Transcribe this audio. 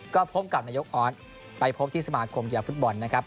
ก็พบกับนายกออสไปพบที่สมาคมกีฬาฟุตบอลนะครับ